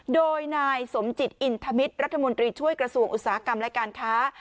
โดยนายสมจิตอินทมิตรรัฐมนตรีช่วยกระทรวงอุตสาหกรรมและการค้า